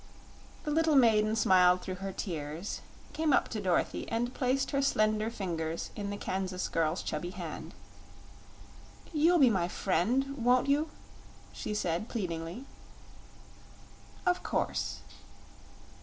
The little maiden smiled through her tears, came up to Dorothy, and placed her slender fingers in the Kansas girl's chubby hand. "You'll be my friend won't you?" she said, pleadingly. "Of course."